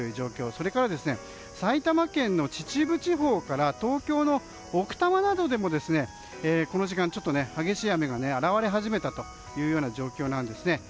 それから、埼玉県の秩父地方から東京の奥多摩などでもこの時間、激しい雨が現れ始めた状況です。